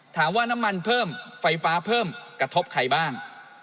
น้ำมันเพิ่มไฟฟ้าเพิ่มกระทบใครบ้าง